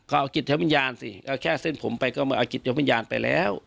ก็เอาจิตวิญญาณสิเอาแค่เส้นผมไปก็มาเอากิจยกวิญญาณไปแล้ว